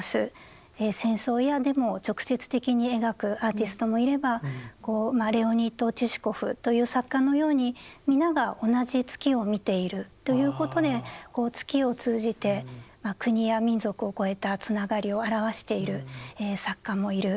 戦争やデモを直接的に描くアーティストもいればレオニート・チシコフという作家のように皆が同じ月を見ているということで月を通じて国や民族を超えたつながりを表している作家もいる。